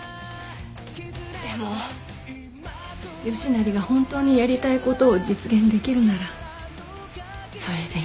でも良成が本当にやりたいことを実現できるならそれでいい。